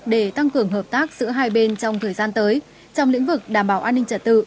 để tăng cường hợp tác giữa hai bên trong thời gian tới trong lĩnh vực đảm bảo an ninh trật tự